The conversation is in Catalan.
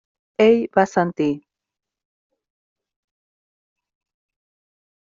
Ell va assentir.